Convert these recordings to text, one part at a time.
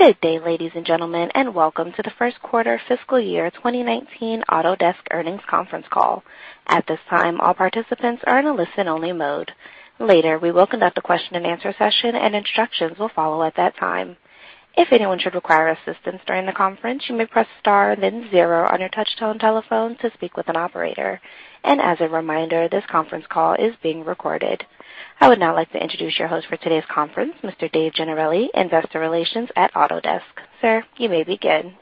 Good day, ladies and gentlemen, welcome to the first quarter FY 2019 Autodesk earnings conference call. At this time, all participants are in a listen-only mode. Later, we will conduct a question-and-answer session, and instructions will follow at that time. If anyone should require assistance during the conference, you may press star then zero on your touch-tone telephone to speak with an operator. As a reminder, this conference call is being recorded. I would now like to introduce your host for today's conference, Mr. David Gennarelli, investor relations at Autodesk. Sir, you may begin.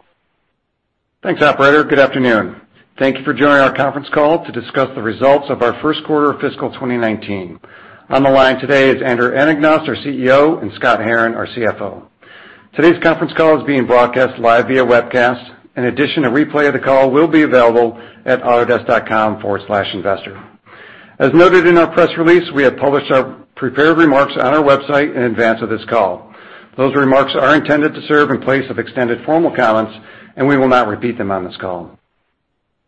Thanks, operator. Good afternoon. Thank you for joining our conference call to discuss the results of our first quarter of FY 2019. On the line today is Andrew Anagnost, our CEO, and Scott Herren, our CFO. Today's conference call is being broadcast live via webcast. In addition, a replay of the call will be available at autodesk.com/investor. As noted in our press release, we have published our prepared remarks on our website in advance of this call. Those remarks are intended to serve in place of extended formal comments, and we will not repeat them on this call.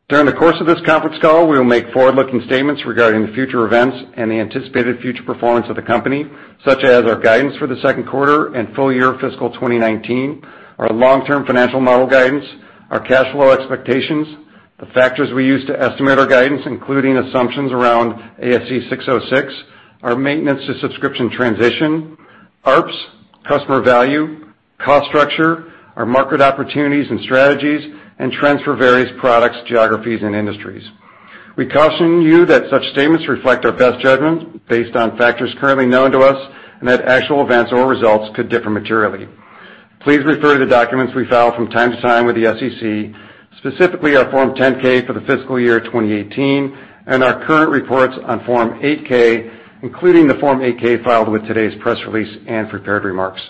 During the course of this conference call, we will make forward-looking statements regarding the future events and the anticipated future performance of the company, such as our guidance for the second quarter and full year FY 2019, our long-term financial model guidance, our cash flow expectations, the factors we use to estimate our guidance, including assumptions around ASC 606, our maintenance-to-subscription transition, ARPS, customer value, cost structure, our market opportunities and strategies, and trends for various products, geographies, and industries. We caution you that such statements reflect our best judgment based on factors currently known to us and that actual events or results could differ materially. Please refer to the documents we file from time to time with the SEC, specifically our Form 10-K for the FY 2018 and our current reports on Form 8-K, including the Form 8-K filed with today's press release and prepared remarks.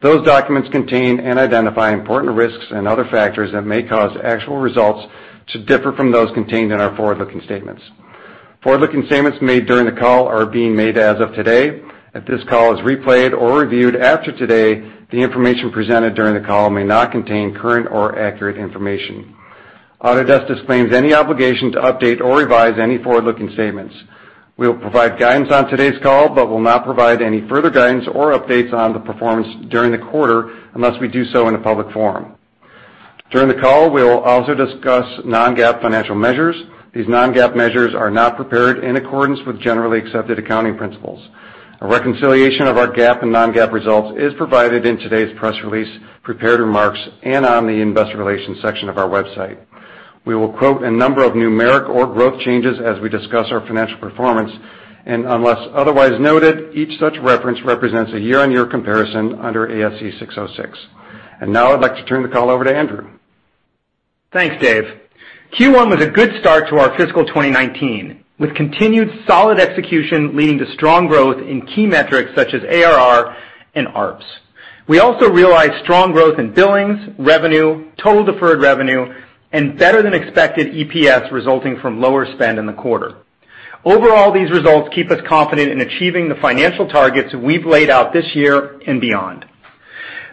Those documents contain and identify important risks and other factors that may cause actual results to differ from those contained in our forward-looking statements. Forward-looking statements made during the call are being made as of today. If this call is replayed or reviewed after today, the information presented during the call may not contain current or accurate information. Autodesk disclaims any obligation to update or revise any forward-looking statements. We will provide guidance on today's call but will not provide any further guidance or updates on the performance during the quarter unless we do so in a public forum. During the call, we will also discuss non-GAAP financial measures. These non-GAAP measures are not prepared in accordance with generally accepted accounting principles. A reconciliation of our GAAP and non-GAAP results is provided in today's press release, prepared remarks, and on the investor relations section of our website. We will quote a number of numeric or growth changes as we discuss our financial performance, unless otherwise noted, each such reference represents a year-on-year comparison under ASC 606. Now I'd like to turn the call over to Andrew. Thanks, Dave. Q1 was a good start to our fiscal 2019, with continued solid execution leading to strong growth in key metrics such as ARR and ARPS. We also realized strong growth in billings, revenue, total deferred revenue, and better-than-expected EPS resulting from lower spend in the quarter. Overall, these results keep us confident in achieving the financial targets we've laid out this year and beyond.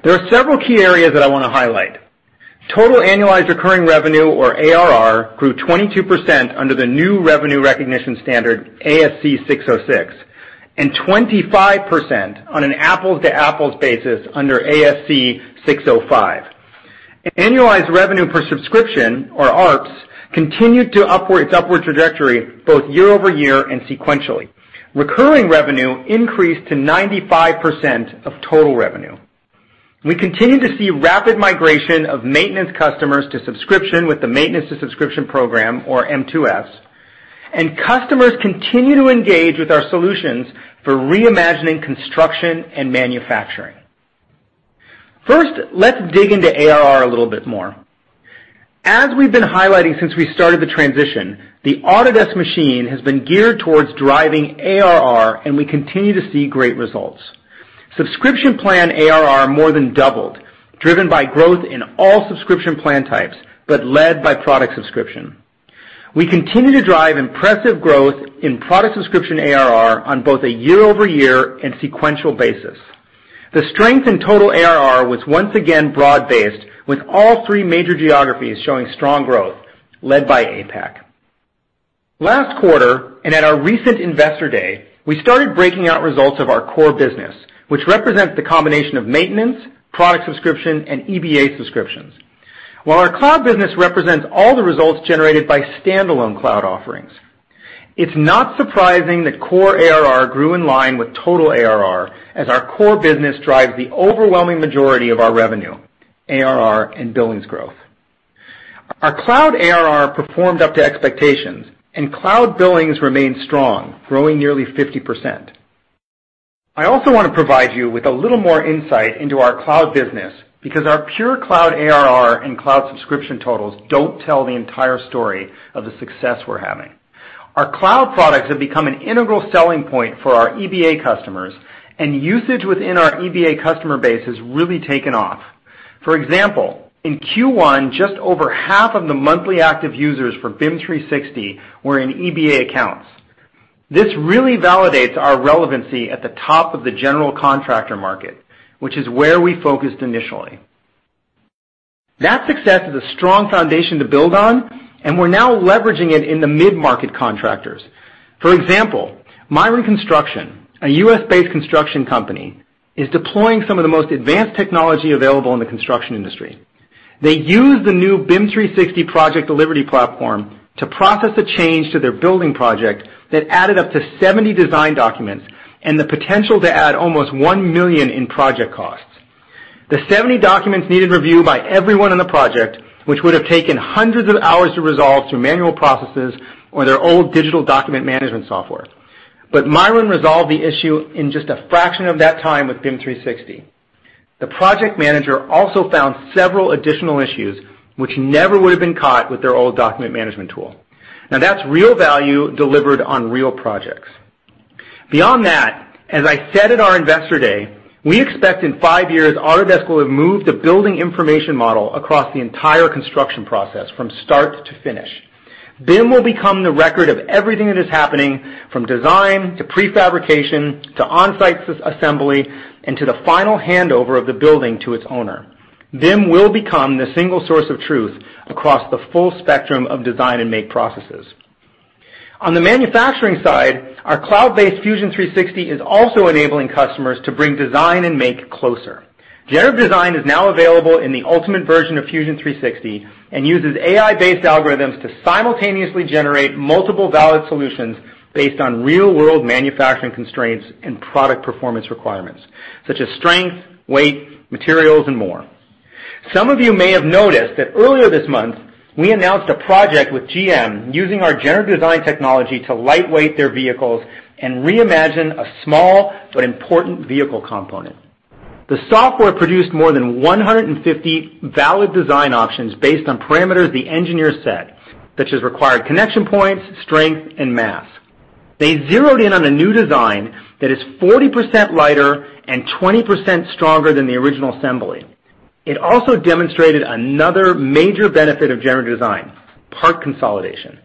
There are several key areas that I want to highlight. Total annualized recurring revenue, or ARR, grew 22% under the new revenue recognition standard, ASC 606, and 25% on an apples-to-apples basis under ASC 605. Annualized revenue per subscription, or ARPS, continued its upward trajectory both year-over-year and sequentially. Recurring revenue increased to 95% of total revenue. We continue to see rapid migration of maintenance customers to subscription with the maintenance to subscription program, or M2S, customers continue to engage with our solutions for reimagining construction and manufacturing. First, let's dig into ARR a little bit more. As we've been highlighting since we started the transition, the Autodesk machine has been geared towards driving ARR, we continue to see great results. Subscription plan ARR more than doubled, driven by growth in all subscription plan types, but led by product subscription. We continue to drive impressive growth in product subscription ARR on both a year-over-year and sequential basis. The strength in total ARR was once again broad-based, with all three major geographies showing strong growth, led by APAC. Last quarter, at our recent Investor Day, we started breaking out results of our core business, which represents the combination of maintenance, product subscription, and EBA subscriptions. While our cloud business represents all the results generated by standalone cloud offerings. It's not surprising that core ARR grew in line with total ARR, as our core business drives the overwhelming majority of our revenue, ARR, and billings growth. Our cloud ARR performed up to expectations, cloud billings remained strong, growing nearly 50%. I also want to provide you with a little more insight into our cloud business because our pure cloud ARR and cloud subscription totals don't tell the entire story of the success we're having. Our cloud products have become an integral selling point for our EBA customers, usage within our EBA customer base has really taken off. For example, in Q1, just over half of the monthly active users for BIM 360 were in EBA accounts. This really validates our relevancy at the top of the general contractor market, which is where we focused initially. That success is a strong foundation to build on, and we're now leveraging it in the mid-market contractors. For example, Miron Construction, a U.S.-based construction company, is deploying some of the most advanced technology available in the construction industry. They use the new BIM 360 Project Delivery platform to process a change to their building project that added up to 70 design documents and the potential to add almost $1 million in project costs. The 70 documents needed review by everyone on the project, which would have taken hundreds of hours to resolve through manual processes or their old digital document management software. Miron resolved the issue in just a fraction of that time with BIM 360. The project manager also found several additional issues which never would have been caught with their old document management tool. That's real value delivered on real projects. Beyond that, as I said at our investor day, we expect in five years, Autodesk will have moved a building information model across the entire construction process from start to finish. BIM will become the record of everything that is happening, from design, to pre-fabrication, to on-site assembly, and to the final handover of the building to its owner. BIM will become the single source of truth across the full spectrum of design and make processes. On the manufacturing side, our cloud-based Fusion 360 is also enabling customers to bring design and make closer. Generative Design is now available in the ultimate version of Fusion 360 and uses AI-based algorithms to simultaneously generate multiple valid solutions based on real-world manufacturing constraints and product performance requirements, such as strength, weight, materials, and more. Some of you may have noticed that earlier this month, we announced a project with GM using our Generative Design technology to lightweight their vehicles and reimagine a small but important vehicle component. The software produced more than 150 valid design options based on parameters the engineer set, such as required connection points, strength, and mass. They zeroed in on a new design that is 40% lighter and 20% stronger than the original assembly. It also demonstrated another major benefit of Generative Design, part consolidation.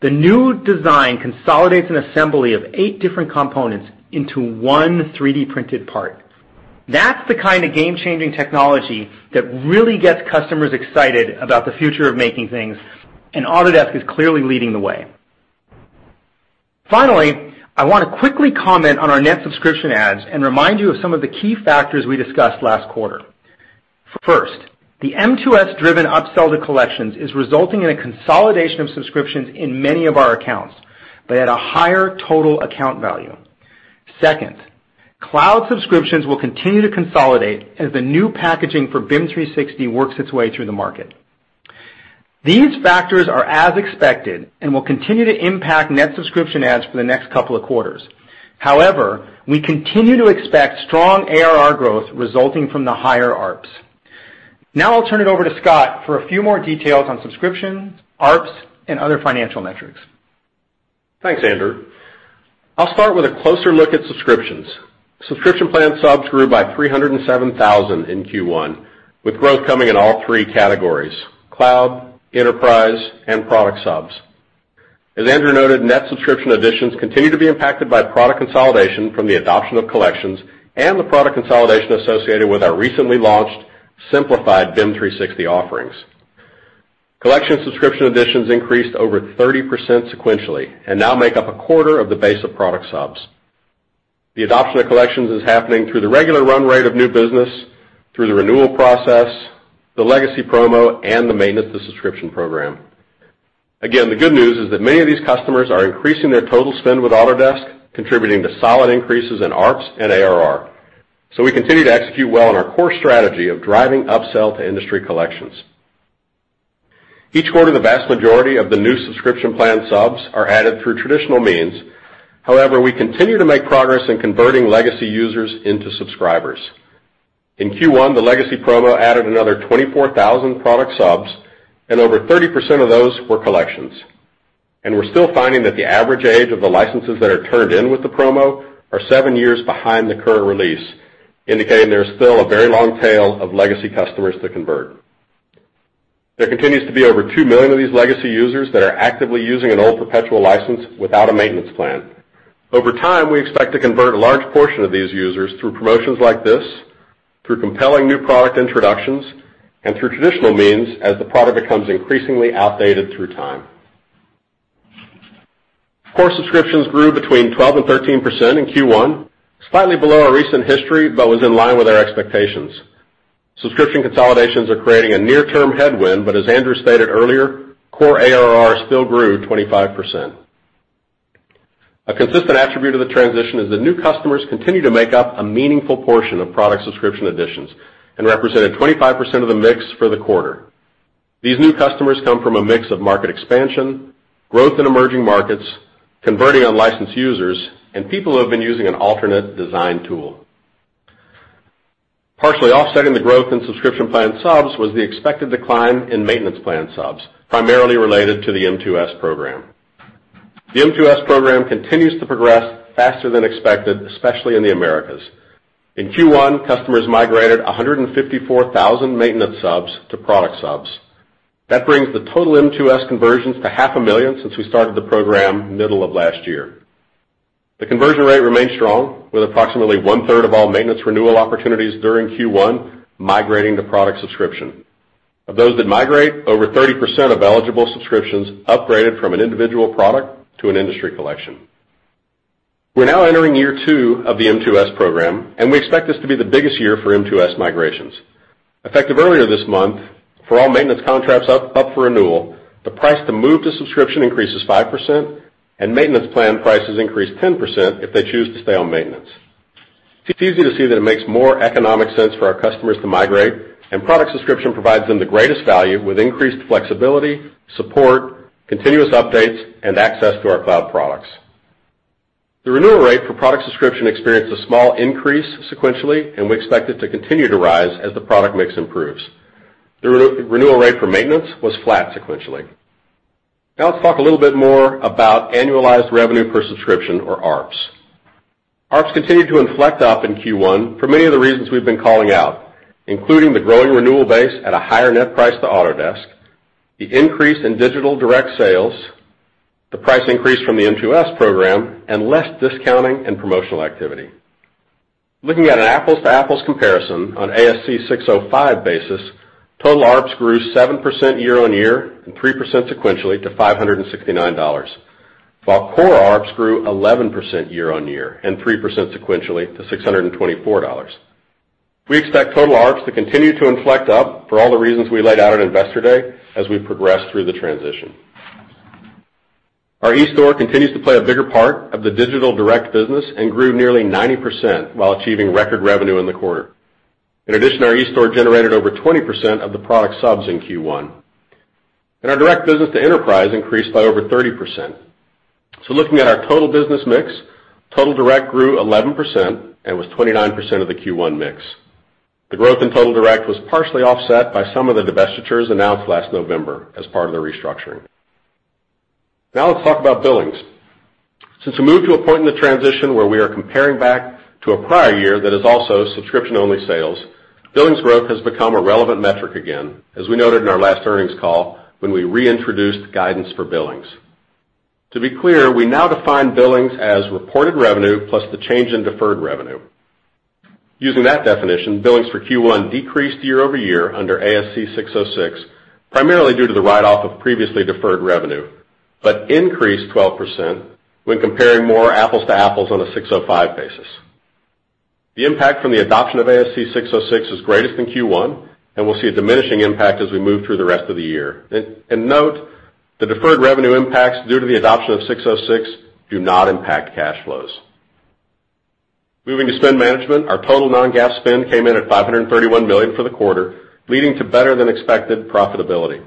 The new design consolidates an assembly of eight different components into one 3D-printed part. That's the kind of game-changing technology that really gets customers excited about the future of making things, and Autodesk is clearly leading the way. Finally, I want to quickly comment on our net subscription adds and remind you of some of the key factors we discussed last quarter. First, the M2S-driven upsell to collections is resulting in a consolidation of subscriptions in many of our accounts, but at a higher total account value. Second, cloud subscriptions will continue to consolidate as the new packaging for BIM 360 works its way through the market. These factors are as expected and will continue to impact net subscription adds for the next couple of quarters. However, we continue to expect strong ARR growth resulting from the higher ARPS. Now I'll turn it over to Scott for a few more details on subscriptions, ARPS, and other financial metrics. Thanks, Andrew. I'll start with a closer look at subscriptions. Subscription plan subs grew by 307,000 in Q1, with growth coming in all three categories: cloud, enterprise, and product subs. As Andrew noted, net subscription additions continue to be impacted by product consolidation from the adoption of collections and the product consolidation associated with our recently launched simplified BIM 360 offerings. Collection subscription additions increased over 30% sequentially and now make up a quarter of the base of product subs. The adoption of collections is happening through the regular run rate of new business, through the renewal process, the legacy promo, and the maintenance of subscription program. Again, the good news is that many of these customers are increasing their total spend with Autodesk, contributing to solid increases in ARPS and ARR. We continue to execute well on our core strategy of driving upsell to industry collections. Each quarter, the vast majority of the new subscription plan subs are added through traditional means. However, we continue to make progress in converting legacy users into subscribers. In Q1, the legacy promo added another 24,000 product subs, and over 30% of those were collections. We're still finding that the average age of the licenses that are turned in with the promo are seven years behind the current release, indicating there's still a very long tail of legacy customers to convert. There continues to be over two million of these legacy users that are actively using an old perpetual license without a maintenance plan. Over time, we expect to convert a large portion of these users through promotions like this, through compelling new product introductions, and through traditional means as the product becomes increasingly outdated through time. Core subscriptions grew between 12% and 13% in Q1, slightly below our recent history, but was in line with our expectations. Subscription consolidations are creating a near-term headwind, but as Andrew stated earlier, core ARR still grew 25%. A consistent attribute of the transition is that new customers continue to make up a meaningful portion of product subscription additions and represented 25% of the mix for the quarter. These new customers come from a mix of market expansion, growth in emerging markets, converting unlicensed users, and people who have been using an alternate design tool. Partially offsetting the growth in subscription plan subs was the expected decline in maintenance plan subs, primarily related to the M2S program. The M2S program continues to progress faster than expected, especially in the Americas. In Q1, customers migrated 154,000 maintenance subs to product subs. That brings the total M2S conversions to half a million since we started the program middle of last year. The conversion rate remains strong with approximately one-third of all maintenance renewal opportunities during Q1 migrating to product subscription. Of those that migrate, over 30% of eligible subscriptions upgraded from an individual product to an industry collection. We're now entering year two of the M2S program, and we expect this to be the biggest year for M2S migrations. Effective earlier this month, for all maintenance contracts up for renewal, the price to move to subscription increases 5% and maintenance plan prices increase 10% if they choose to stay on maintenance. It's easy to see that it makes more economic sense for our customers to migrate, and product subscription provides them the greatest value with increased flexibility, support, continuous updates, and access to our cloud products. The renewal rate for product subscription experienced a small increase sequentially, and we expect it to continue to rise as the product mix improves. The renewal rate for maintenance was flat sequentially. Let's talk a little bit more about annualized revenue per subscription or ARPS. ARPS continued to inflect up in Q1 for many of the reasons we've been calling out, including the growing renewal base at a higher net price to Autodesk, the increase in digital direct sales, the price increase from the M2S program, and less discounting and promotional activity. Looking at an apples-to-apples comparison on ASC 605 basis, total ARPS grew 7% year-on-year and 3% sequentially to $569, while core ARPS grew 11% year-on-year and 3% sequentially to $624. We expect total ARPS to continue to inflect up for all the reasons we laid out at Investor Day as we progress through the transition. Our eStore continues to play a bigger part of the digital direct business and grew nearly 90% while achieving record revenue in the quarter. Our eStore generated over 20% of the product subs in Q1. Our direct business to enterprise increased by over 30%. Looking at our total business mix, total direct grew 11% and was 29% of the Q1 mix. The growth in total direct was partially offset by some of the divestitures announced last November as part of the restructuring. Let's talk about billings. Since we moved to a point in the transition where we are comparing back to a prior year that is also subscription-only sales, billings growth has become a relevant metric again, as we noted in our last earnings call when we reintroduced guidance for billings. To be clear, we now define billings as reported revenue plus the change in deferred revenue. Using that definition, billings for Q1 decreased year-over-year under ASC 606, primarily due to the write-off of previously deferred revenue, but increased 12% when comparing more apples-to-apples on a 605 basis. The impact from the adoption of ASC 606 is greatest in Q1, and we'll see a diminishing impact as we move through the rest of the year. Note, the deferred revenue impacts due to the adoption of 606 do not impact cash flows. Moving to spend management, our total non-GAAP spend came in at $531 million for the quarter, leading to better-than-expected profitability.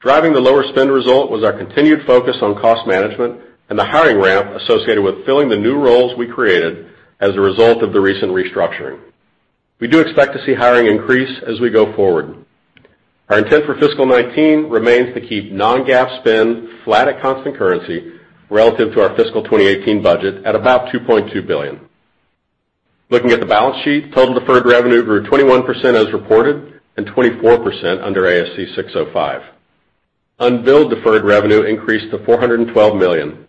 Driving the lower spend result was our continued focus on cost management and the hiring ramp associated with filling the new roles we created as a result of the recent restructuring. We do expect to see hiring increase as we go forward. Our intent for fiscal 2019 remains to keep non-GAAP spend flat at constant currency relative to our fiscal 2018 budget at about $2.2 billion. Looking at the balance sheet, total deferred revenue grew 21% as reported and 24% under ASC 605. Unbilled deferred revenue increased to $412 million.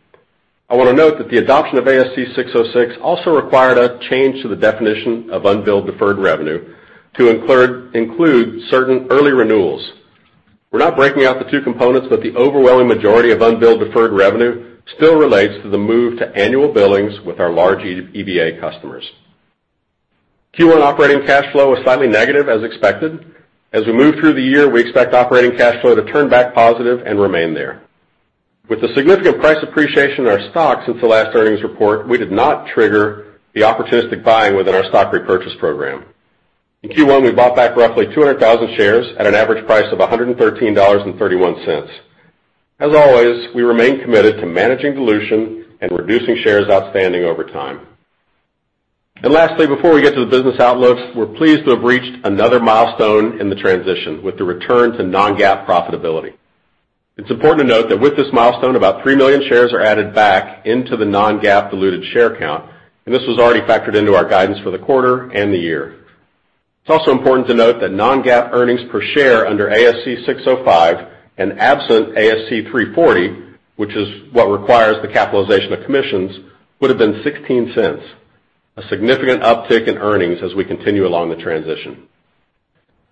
I want to note that the adoption of ASC 606 also required a change to the definition of unbilled deferred revenue to include certain early renewals. We're not breaking out the two components, but the overwhelming majority of unbilled deferred revenue still relates to the move to annual billings with our large EBA customers. Q1 operating cash flow was slightly negative as expected. As we move through the year, we expect operating cash flow to turn back positive and remain there. With the significant price appreciation in our stock since the last earnings report, we did not trigger the opportunistic buying within our stock repurchase program. In Q1, we bought back roughly 200,000 shares at an average price of $113.31. As always, we remain committed to managing dilution and reducing shares outstanding over time. Lastly, before we get to the business outlooks, we're pleased to have reached another milestone in the transition with the return to non-GAAP profitability. It's important to note that with this milestone, about 3 million shares are added back into the non-GAAP diluted share count, and this was already factored into our guidance for the quarter and the year. It's also important to note that non-GAAP earnings per share under ASC 605 and absent ASC 340, which is what requires the capitalization of commissions, would have been $0.16, a significant uptick in earnings as we continue along the transition.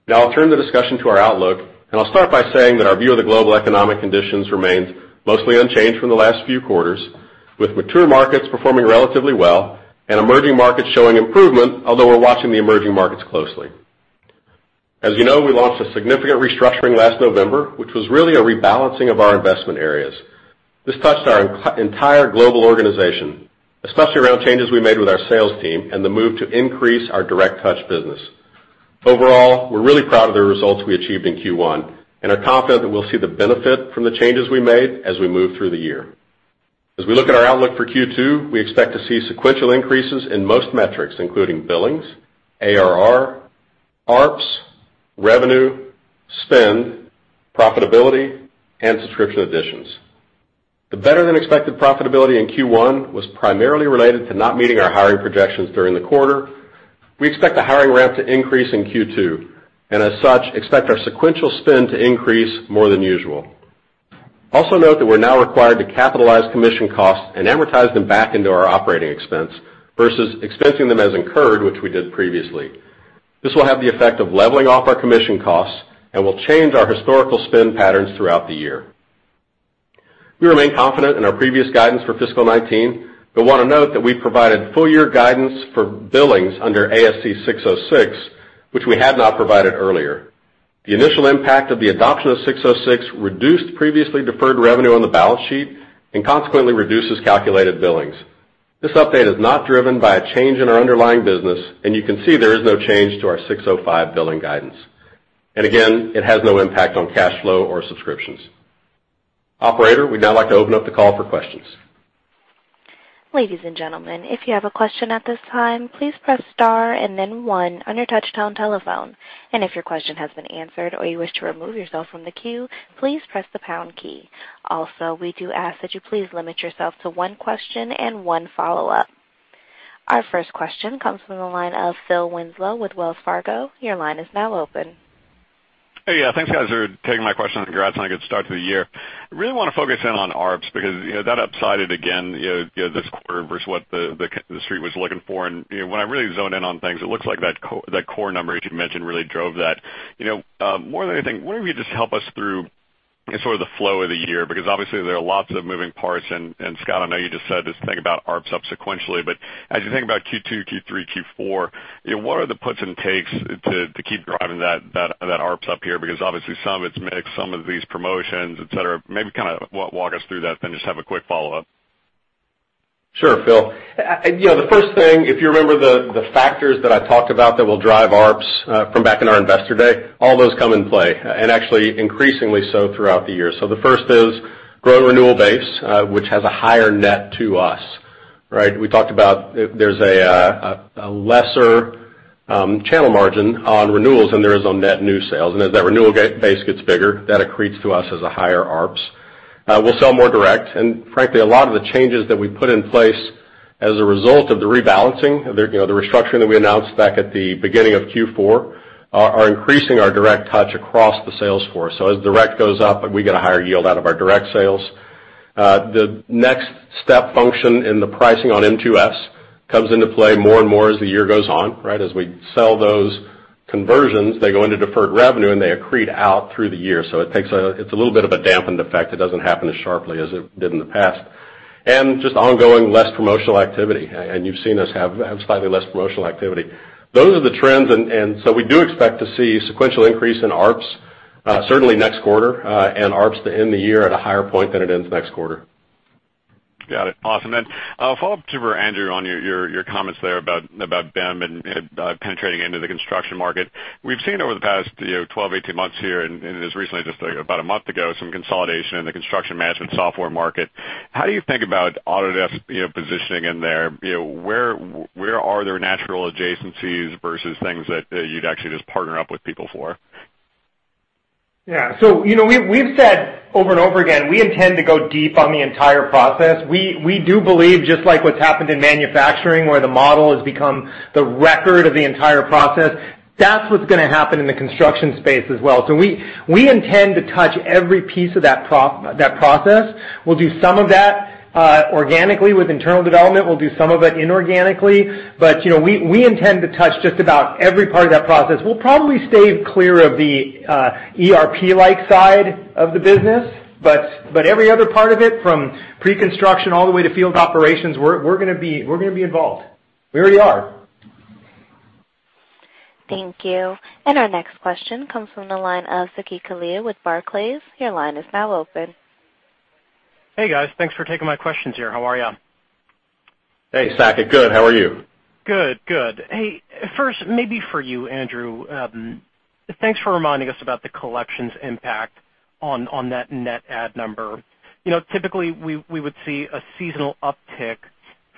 Now I'll turn the discussion to our outlook, and I'll start by saying that our view of the global economic conditions remains mostly unchanged from the last few quarters, with mature markets performing relatively well and emerging markets showing improvement, although we're watching the emerging markets closely. As you know, we launched a significant restructuring last November, which was really a rebalancing of our investment areas. This touched our entire global organization, especially around changes we made with our sales team and the move to increase our direct touch business. Overall, we're really proud of the results we achieved in Q1 and are confident that we'll see the benefit from the changes we made as we move through the year. As we look at our outlook for Q2, we expect to see sequential increases in most metrics, including billings, ARR, ARPS, revenue, spend, profitability, and subscription additions. The better-than-expected profitability in Q1 was primarily related to not meeting our hiring projections during the quarter. We expect the hiring ramp to increase in Q2, and as such, expect our sequential spend to increase more than usual. Also note that we're now required to capitalize commission costs and amortize them back into our operating expense, versus expensing them as incurred, which we did previously. This will have the effect of leveling off our commission costs and will change our historical spend patterns throughout the year. We remain confident in our previous guidance for fiscal 2019, but want to note that we provided full year guidance for billings under ASC 606, which we had not provided earlier. The initial impact of the adoption of 606 reduced previously deferred revenue on the balance sheet and consequently reduces calculated billings. This update is not driven by a change in our underlying business, and you can see there is no change to our 605 billing guidance. Again, it has no impact on cash flow or subscriptions. Operator, we'd now like to open up the call for questions. Ladies and gentlemen, if you have a question at this time, please press star and then one on your touchtone telephone. If your question has been answered or you wish to remove yourself from the queue, please press the pound key. Also, we do ask that you please limit yourself to one question and one follow-up. Our first question comes from the line of Philip Winslow with Wells Fargo. Your line is now open. Hey. Thanks, guys, for taking my question, and congrats on a good start to the year. I really want to focus in on ARPS because that upsided again, this quarter versus what the Street was looking for. When I really zoned in on things, it looks like that core number, as you mentioned, really drove that. More than anything, what if you just help us through sort of the flow of the year, because obviously there are lots of moving parts. Scott, I know you just said this thing about ARPS up sequentially, but as you think about Q2, Q3, Q4, what are the puts and takes to keep driving that ARPS up here? Obviously some of it's mix, some of these promotions, et cetera. Maybe kind of walk us through that, then just have a quick follow-up. Sure, Phil. The first thing, if you remember the factors that I talked about that will drive ARPS from back in our investor day, all those come in play, and actually increasingly so throughout the year. The first is growing renewal base, which has a higher net to us, right? We talked about there's a lesser channel margin on renewals than there is on net new sales. As that renewal base gets bigger, that accretes to us as a higher ARPS. We'll sell more direct, and frankly, a lot of the changes that we put in place as a result of the rebalancing, the restructuring that we announced back at the beginning of Q4, are increasing our direct touch across the sales force. As direct goes up, we get a higher yield out of our direct sales. The next step function in the pricing on M2S comes into play more and more as the year goes on, right? As we sell those conversions, they go into deferred revenue, and they accrete out through the year. It's a little bit of a dampened effect. It doesn't happen as sharply as it did in the past. Just ongoing less promotional activity. You've seen us have slightly less promotional activity. Those are the trends, and so we do expect to see sequential increase in ARPS, certainly next quarter, and ARPS to end the year at a higher point than it ends next quarter. Got it. Awesome. A follow-up to Andrew on your comments there about BIM and penetrating into the construction market. We've seen over the past 12, 18 months here, and as recently, just about one month ago, some consolidation in the construction management software market. How do you think about Autodesk positioning in there? Where are there natural adjacencies versus things that you'd actually just partner up with people for? Yeah. We've said over and over again, we intend to go deep on the entire process. We do believe just like what's happened in manufacturing, where the model has become the record of the entire process, that's what's going to happen in the construction space as well. We intend to touch every piece of that process. We'll do some of that organically with internal development. We'll do some of it inorganically, but we intend to touch just about every part of that process. We'll probably stay clear of the ERP-like side of the business, but every other part of it, from pre-construction all the way to field operations, we're going to be involved. We already are. Thank you. Our next question comes from the line of Saket Kalia with Barclays. Your line is now open. Hey, guys, thanks for taking my questions here. How are you? Hey, Saket. Good. How are you? Good. Hey, first, maybe for you, Andrew. Thanks for reminding us about the collections impact on that net add number. Typically, we would see a seasonal uptick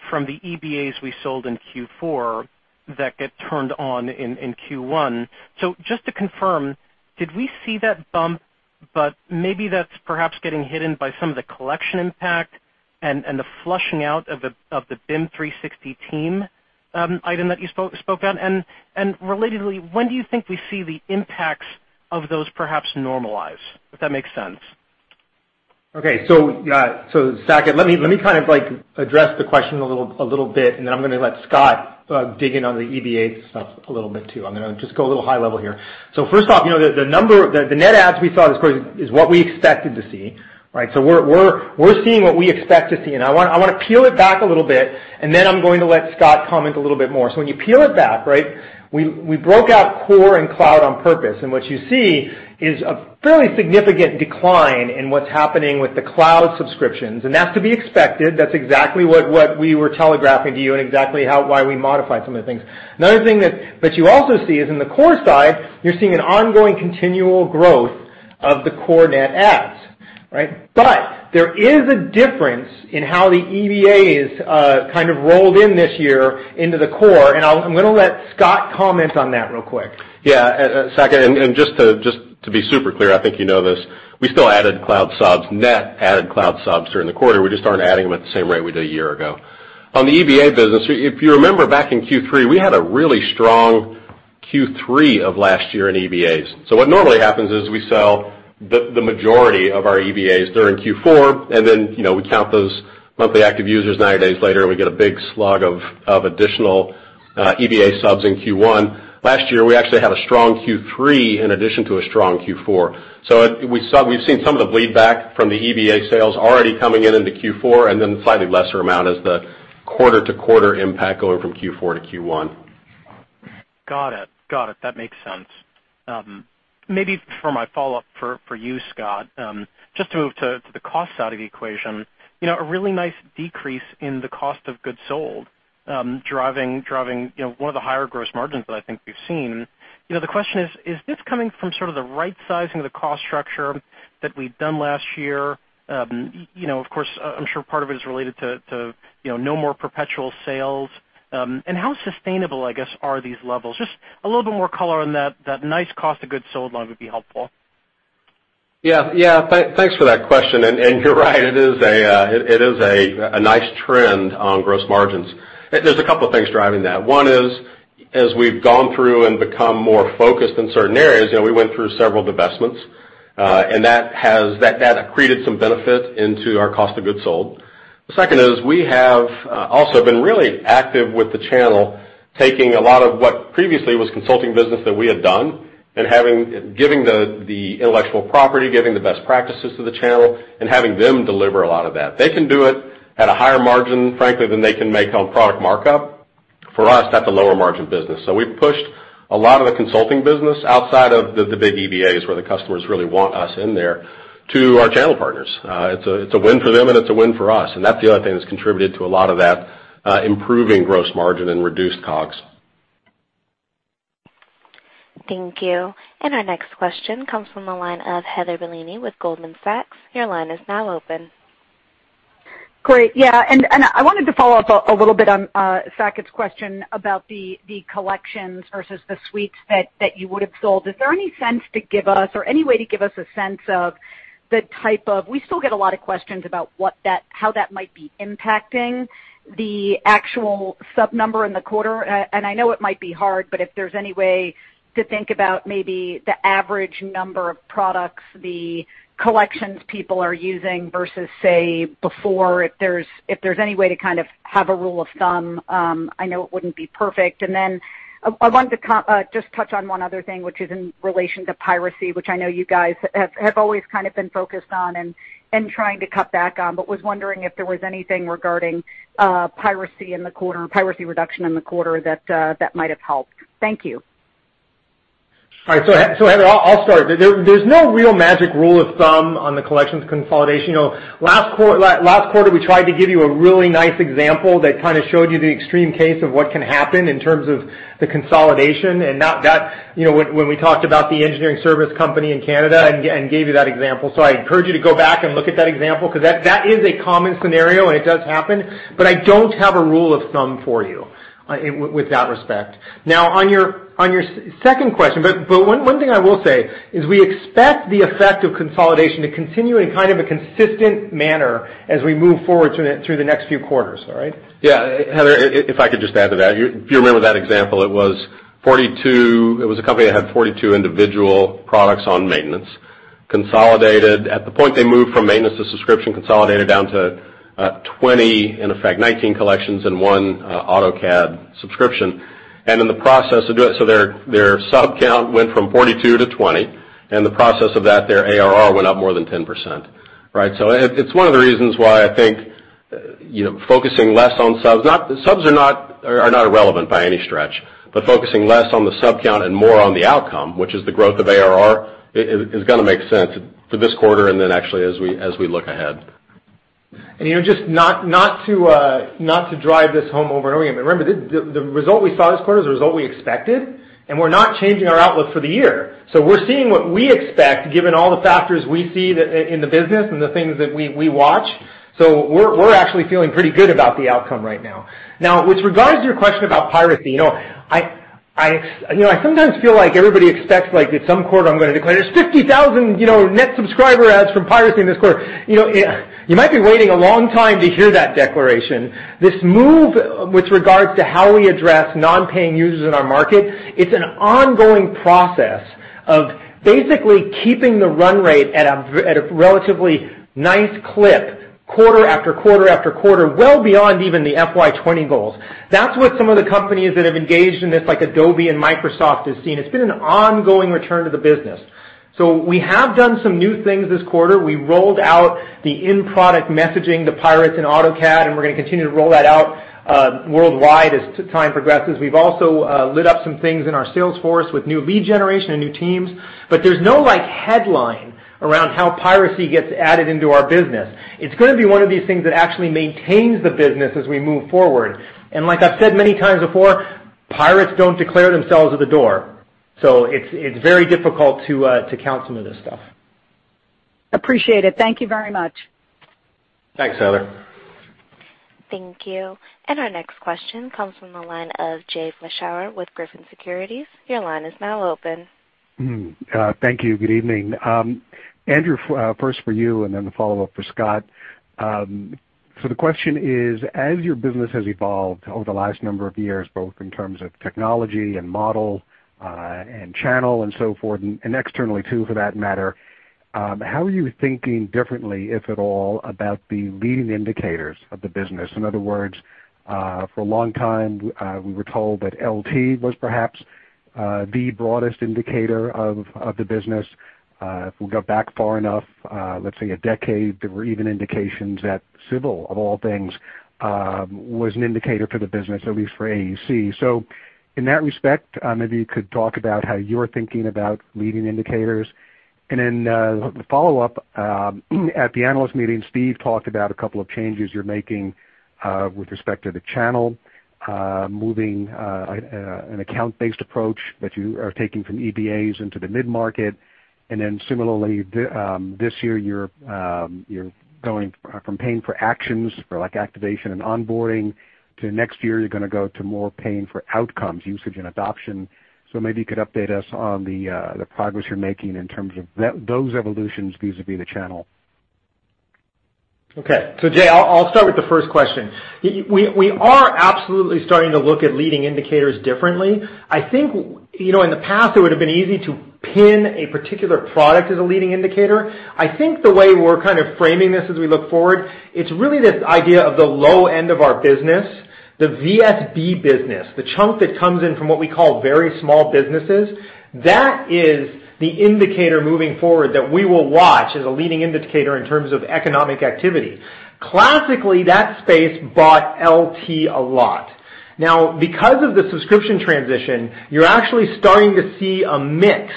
from the EBAs we sold in Q4 that get turned on in Q1. Just to confirm, did we see that bump, but maybe that's perhaps getting hidden by some of the collection impact and the flushing out of the BIM 360 Team item that you spoke on? Relatedly, when do you think we see the impacts of those perhaps normalize? If that makes sense. Okay. Saket, let me kind of address the question a little bit, I'm going to let Scott dig in on the EBA stuff a little bit too. I'm going to just go a little high level here. First off, the net adds we saw this quarter is what we expected to see. We're seeing what we expect to see, I want to peel it back a little bit, I'm going to let Scott comment a little bit more. When you peel it back, we broke out core and cloud on purpose, what you see is a fairly significant decline in what's happening with the cloud subscriptions, that's to be expected. That's exactly what we were telegraphing to you and exactly why we modified some of the things. Another thing that you also see is in the core side, you're seeing an ongoing continual growth of the core net adds. There is a difference in how the EBAs kind of rolled in this year into the core, I'm going to let Scott comment on that real quick. Yeah. Saket, just to be super clear, I think you know this, we still added cloud subs, net added cloud subs during the quarter. We just aren't adding them at the same rate we did a year ago. On the EBA business, if you remember back in Q3, we had a really strong Q3 of last year in EBAs. What normally happens is we sell the majority of our EBAs during Q4, then we count those monthly active users 90 days later, we get a big slug of additional EBA subs in Q1. Last year, we actually had a strong Q3 in addition to a strong Q4. We've seen some of the bleed back from the EBA sales already coming in into Q4, then slightly lesser amount as the quarter-to-quarter impact going from Q4 to Q1. Got it. That makes sense. Maybe for my follow-up for you, Scott, just to move to the cost side of the equation. A really nice decrease in the cost of goods sold, driving one of the higher gross margins that I think we've seen. The question is: Is this coming from sort of the right sizing of the cost structure that we'd done last year? Of course, I'm sure part of it is related to no more perpetual sales. How sustainable, I guess, are these levels? Just a little bit more color on that nice cost of goods sold line would be helpful. Yeah. Thanks for that question, you're right it is a nice trend on gross margins. There's a couple of things driving that. One is as we've gone through and become more focused in certain areas, we went through several divestments. That has accreted some benefit into our cost of goods sold. The second is we have also been really active with the channel, taking a lot of what previously was consulting business that we had done and giving the intellectual property, giving the best practices to the channel, and having them deliver a lot of that. They can do it at a higher margin, frankly, than they can make on product markup. For us, that's a lower margin business. We've pushed a lot of the consulting business outside of the big EBAs, where the customers really want us in there, to our channel partners. It's a win for them and it's a win for us. That's the other thing that's contributed to a lot of that improving gross margin and reduced COGS. Thank you. Our next question comes from the line of Heather Bellini with Goldman Sachs. Your line is now open. Great. I wanted to follow up a little bit on Saket's question about the collections versus the suites that you would've sold. Is there any sense to give us or any way to give us a sense of how that might be impacting the actual sub number in the quarter. I know it might be hard, but if there's any way to think about maybe the average number of products the collections people are using versus, say, before, if there's any way to kind of have a rule of thumb. I know it wouldn't be perfect. Then I wanted to just touch on one other thing, which is in relation to piracy, which I know you guys have always kind of been focused on and trying to cut back on. Was wondering if there was anything regarding piracy in the quarter, piracy reduction in the quarter that might have helped. Thank you. All right. Heather, I'll start. There's no real magic rule of thumb on the collections consolidation. Last quarter, we tried to give you a really nice example that kind of showed you the extreme case of what can happen in terms of the consolidation, and when we talked about the engineering service company in Canada and gave you that example. I encourage you to go back and look at that example, because that is a common scenario, and it does happen. I don't have a rule of thumb for you with that respect. Now, on your second question, but one thing I will say is we expect the effect of consolidation to continue in kind of a consistent manner as we move forward through the next few quarters. All right? Heather, if I could just add to that. If you remember that example, it was a company that had 42 individual products on maintenance. At the point they moved from maintenance to subscription, consolidated down to 20, in effect, 19 collections and one AutoCAD subscription. In the process to do it, their sub count went from 42 to 20, and in the process of that, their ARR went up more than 10%. It's one of the reasons why I think focusing less on subs. Subs are not irrelevant by any stretch. Focusing less on the sub count and more on the outcome, which is the growth of ARR, is going to make sense for this quarter and then actually as we look ahead. Just not to drive this home over and over again, but remember, the result we saw this quarter is the result we expected, and we're not changing our outlook for the year. We're seeing what we expect, given all the factors we see in the business and the things that we watch. We're actually feeling pretty good about the outcome right now. Now, with regards to your question about piracy, I sometimes feel like everybody expects, like at some quarter, I'm going to declare, "There's 50,000 net subscriber adds from piracy in this quarter." You might be waiting a long time to hear that declaration. This move with regards to how we address non-paying users in our market, it's an ongoing process of basically keeping the run rate at a relatively nice clip quarter after quarter after quarter, well beyond even the FY 2020 goals. That's what some of the companies that have engaged in this, like Adobe and Microsoft, have seen. It's been an ongoing return to the business. We have done some new things this quarter. We rolled out the in-product messaging to pirates in AutoCAD, and we're going to continue to roll that out worldwide as time progresses. We've also lit up some things in our sales force with new lead generation and new teams, but there's no headline around how piracy gets added into our business. It's going to be one of these things that actually maintains the business as we move forward. Like I've said many times before, pirates don't declare themselves at the door. It's very difficult to count some of this stuff. Appreciate it. Thank you very much. Thanks, Heather. Thank you. Our next question comes from the line of Jay Vleeschhouwer with Griffin Securities. Your line is now open. Thank you. Good evening. Andrew, first for you, then the follow-up for Scott. The question is: As your business has evolved over the last number of years, both in terms of technology and model, channel and so forth, externally too, for that matter, how are you thinking differently, if at all, about the leading indicators of the business? In other words, for a long time, we were told that LT was perhaps the broadest indicator of the business. If we go back far enough, let's say a decade, there were even indications that civil, of all things, was an indicator for the business, at least for AEC. In that respect, maybe you could talk about how you're thinking about leading indicators. The follow-up, at the analyst meeting, Steve talked about a couple of changes you're making with respect to the channel, moving an account-based approach that you are taking from EBAs into the mid-market. Similarly, this year, you're going from paying for actions for like activation and onboarding to next year, you're going to go to more paying for outcomes, usage and adoption. Maybe you could update us on the progress you're making in terms of those evolutions vis-à-vis the channel. Jay, I'll start with the first question. We are absolutely starting to look at leading indicators differently. I think, in the past, it would've been easy to pin a particular product as a leading indicator. I think the way we're kind of framing this as we look forward, it's really this idea of the low end of our business, the VSB business, the chunk that comes in from what we call very small businesses. That is the indicator moving forward that we will watch as a leading indicator in terms of economic activity. Classically, that space bought LT a lot. Now, because of the subscription transition, you're actually starting to see a mix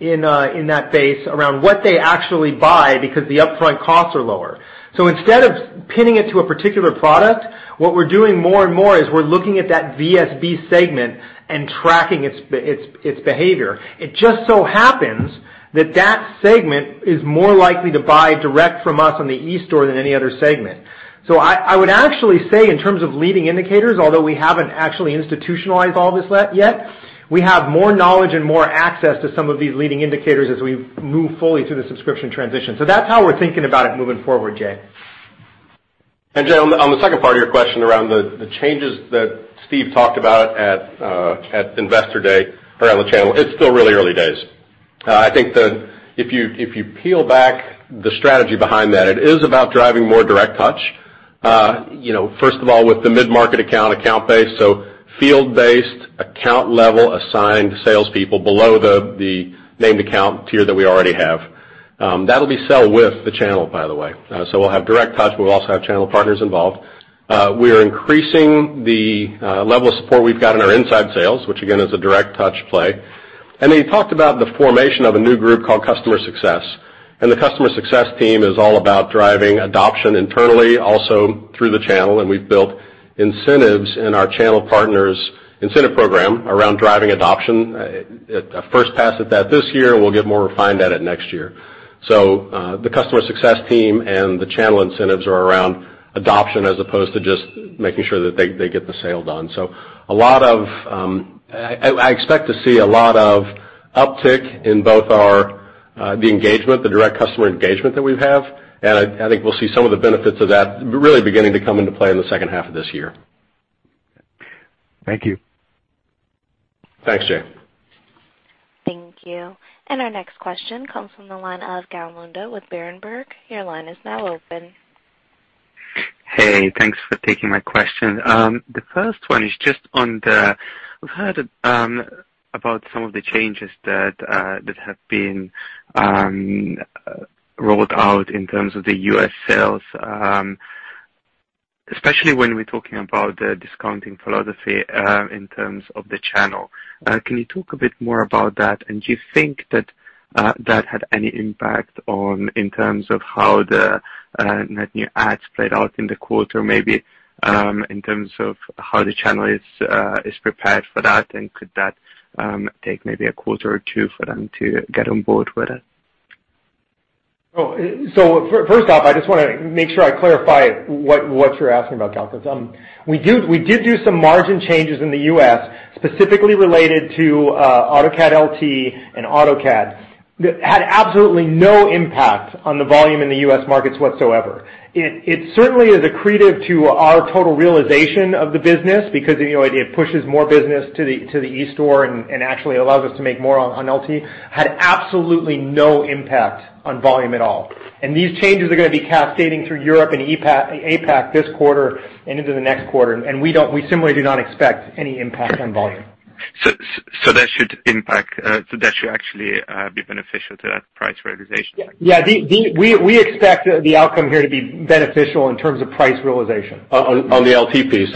in that base around what they actually buy because the upfront costs are lower. Instead of pinning it to a particular product, what we're doing more and more is we're looking at that VSB segment and tracking its behavior. It just so happens that that segment is more likely to buy direct from us on the eStore than any other segment. I would actually say in terms of leading indicators, although we haven't actually institutionalized all this yet, we have more knowledge and more access to some of these leading indicators as we move fully to the subscription transition. That's how we're thinking about it moving forward, Jay. Jay, on the second part of your question around the changes that Steve talked about at Investor Day around the channel, it's still really early days. I think that if you peel back the strategy behind that, it is about driving more direct touch. First of all, with the mid-market account-based, field-based, account-level assigned salespeople below the named account tier that we already have. That'll be sell with the channel, by the way. We'll have direct touch, but we'll also have channel partners involved. We are increasing the level of support we've got in our inside sales, which again, is a direct touch play. Then he talked about the formation of a new group called Customer Success. The Customer Success team is all about driving adoption internally, also through the channel, and we've built incentives in our channel partners incentive program around driving adoption. A first pass at that this year. We'll get more refined at it next year. The Customer Success team and the channel incentives are around adoption as opposed to just making sure that they get the sale done. I expect to see a lot of uptick in both the engagement, the direct customer engagement that we have, and I think we'll see some of the benefits of that really beginning to come into play in the second half of this year. Thank you. Thanks, Jay. Thank you. Our next question comes from the line of Gal Munda with Berenberg. Your line is now open. Hey, thanks for taking my question. We've heard about some of the changes that have been rolled out in terms of the U.S. sales, especially when we're talking about the discounting philosophy, in terms of the channel. Can you talk a bit more about that? Do you think that had any impact on, in terms of how the net new adds played out in the quarter, maybe, in terms of how the channel is prepared for that, and could that take maybe a quarter or two for them to get on board with it? First off, I just want to make sure I clarify what you're asking about, Gal. We did do some margin changes in the U.S., specifically related to AutoCAD LT and AutoCAD, that had absolutely no impact on the volume in the U.S. markets whatsoever. It certainly is accretive to our total realization of the business because it pushes more business to the e-store and actually allows us to make more on LT, had absolutely no impact on volume at all. These changes are going to be cascading through Europe and APAC this quarter and into the next quarter, and we similarly do not expect any impact on volume. That should actually be beneficial to that price realization? Yeah. We expect the outcome here to be beneficial in terms of price realization. On the LT piece.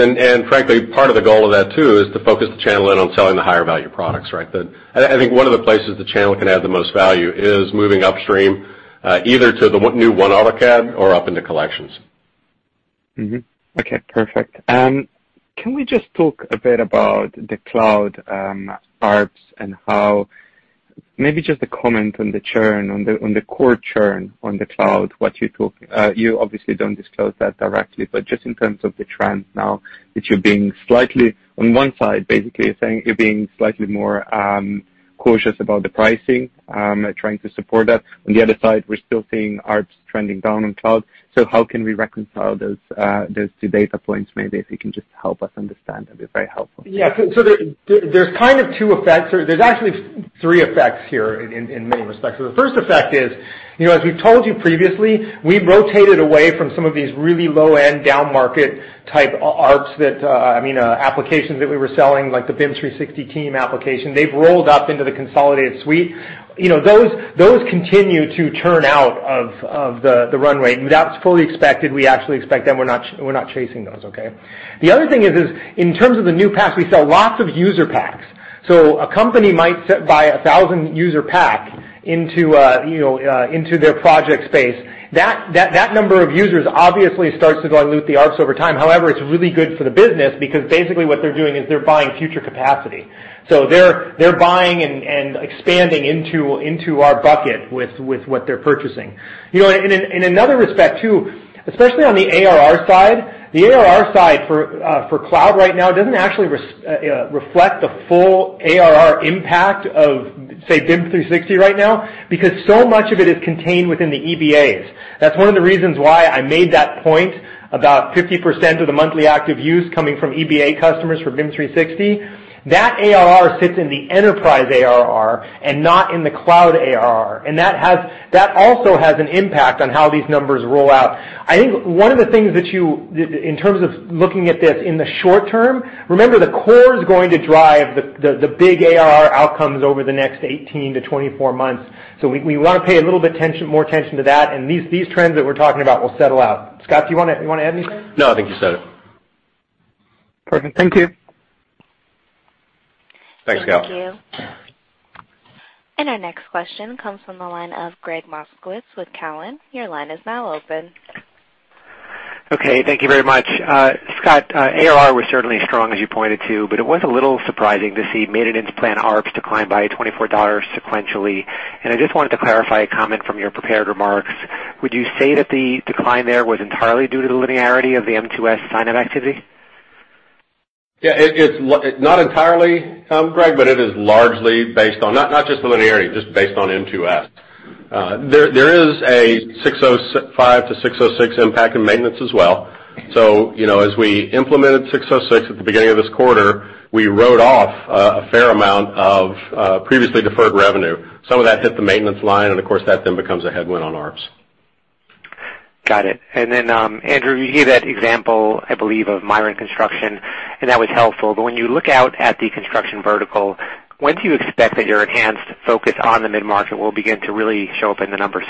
Frankly, part of the goal of that too is to focus the channel in on selling the higher value products, right? I think one of the places the channel can add the most value is moving upstream, either to the new one AutoCAD or up into collections. Okay, perfect. Can we just talk a bit about the cloud ARPS and maybe just a comment on the churn, on the core churn on the cloud, you obviously don't disclose that directly, but just in terms of the trends now that you're being slightly, on one side, basically, you're saying you're being slightly more cautious about the pricing, trying to support us. On the other side, we're still seeing ARPS trending down on cloud. How can we reconcile those two data points? Maybe if you can just help us understand, that would be very helpful. There's kind of two effects or there's actually three effects here in many respects. The first effect is, as we've told you previously, we rotated away from some of these really low-end, down-market type ARPS, I mean, applications that we were selling, like the BIM 360 Team application. They've rolled up into the consolidated suite. Those continue to turn out of the runway. That's fully expected. We actually expect them. We're not chasing those. The other thing is, in terms of the new packs, we sell lots of user packs. A company might buy a 1,000-user pack into their project space. That number of users obviously starts to dilute the ARPS over time. However, it's really good for the business because basically what they're doing is they're buying future capacity. They're buying and expanding into our bucket with what they're purchasing. In another respect, too, especially on the ARR side, the ARR side for cloud right now doesn't actually reflect the full ARR impact of, say, BIM 360 right now, because so much of it is contained within the EBAs. That's one of the reasons why I made that point about 50% of the monthly active use coming from EBA customers for BIM 360. That ARR sits in the enterprise ARR and not in the cloud ARR. That also has an impact on how these numbers roll out. I think one of the things that you, in terms of looking at this in the short term, remember, the core is going to drive the big ARR outcomes over the next 18-24 months. We want to pay a little bit more attention to that, and these trends that we're talking about will settle out. Scott, do you want to add anything? No, I think you said it. Perfect. Thank you. Thanks, Gal. Thank you. Our next question comes from the line of Gregg Moskowitz with Cowen. Your line is now open. Okay, thank you very much. Scott, ARR was certainly strong, as you pointed to, but it was a little surprising to see maintenance plan ARPS decline by $24 sequentially. I just wanted to clarify a comment from your prepared remarks. Would you say that the decline there was entirely due to the linearity of the M2S signup activity? Yeah, it's not entirely, Greg, but it is largely based on not just the linearity, just based on M2S. There is a 605 to 606 impact in maintenance as well. As we implemented 606 at the beginning of this quarter, we wrote off a fair amount of previously deferred revenue. Some of that hit the maintenance line, and of course, that then becomes a headwind on ARPS. Got it. Andrew, you gave that example, I believe, of Miron Construction, and that was helpful. When you look out at the construction vertical, when do you expect that your enhanced focus on the mid-market will begin to really show up in the numbers?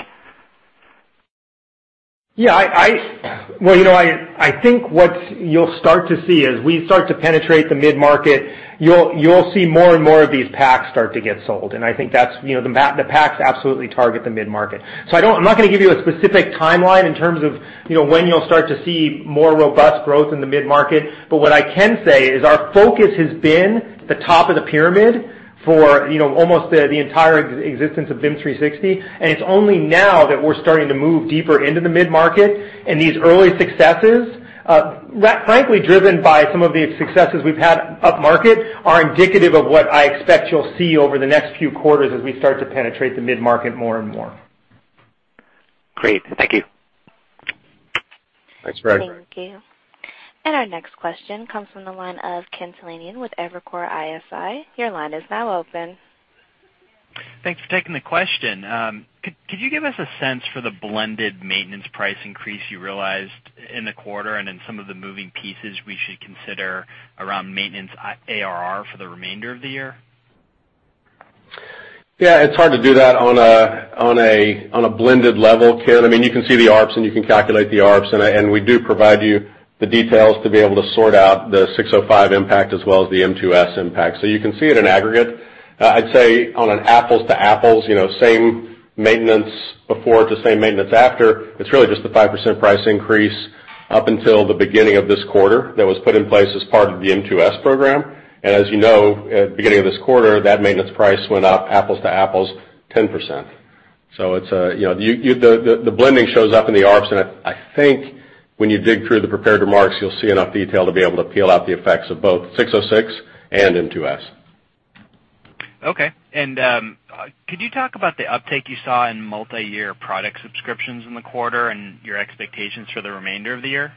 Yeah. I think what you'll start to see as we start to penetrate the mid-market, you'll see more and more of these packs start to get sold. I think that the packs absolutely target the mid-market. I'm not going to give you a specific timeline in terms of when you'll start to see more robust growth in the mid-market. What I can say is our focus has been the top of the pyramid for almost the entire existence of BIM 360. It's only now that we're starting to move deeper into the mid-market. These early successes, frankly, driven by some of the successes we've had upmarket, are indicative of what I expect you'll see over the next few quarters as we start to penetrate the mid-market more and more. Great. Thank you. Thanks, Gregg. Thank you. Our next question comes from the line of Ken Talanian with Evercore ISI. Your line is now open. Thanks for taking the question. Could you give us a sense for the blended maintenance price increase you realized in the quarter and in some of the moving pieces we should consider around maintenance ARR for the remainder of the year? Yeah, it's hard to do that on a blended level, Ken. I mean, you can see the ARPS, and you can calculate the ARPS, and we do provide you the details to be able to sort out the ASC 605 impact as well as the M2S impact. You can see it in aggregate. I'd say on an apples-to-apples, same maintenance before to same maintenance after, it's really just the 5% price increase up until the beginning of this quarter that was put in place as part of the M2S program. As you know, at the beginning of this quarter, that maintenance price went up, apples-to-apples, 10%. The blending shows up in the ARPS, and I think when you dig through the prepared remarks, you'll see enough detail to be able to peel out the effects of both ASC 606 and M2S. Okay. Could you talk about the uptake you saw in multi-year product subscriptions in the quarter and your expectations for the remainder of the year?